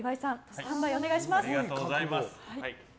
スタンバイお願いします。